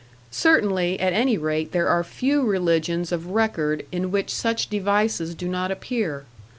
Certainly, at any rate, there are few religions of record in which such devices do not appear.